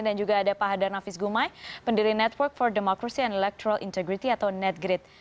dan juga ada pak hadar nafis gumai pendiri network for democracy and electoral integrity atau netgrid